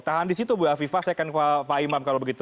tahan di situ bu afifah saya akan ke pak imam kalau begitu